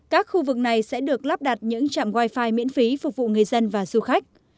các khu vực này sẽ được lắp đặt những trạm wifi miễn phí phục vụ người dân và du khách